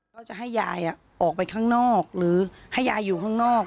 ก็จะให้ยายออกไปข้างนอกหรือให้ยายอยู่ข้างนอก